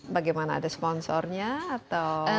bagaimana ada sponsornya atau